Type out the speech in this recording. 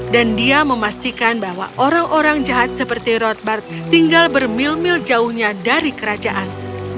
dan dia memastikan bahwa orang orang jahat seperti rothbard tinggal bermil mil jauhnya dari kerajaan